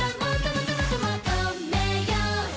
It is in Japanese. もっともっともっと求めよ！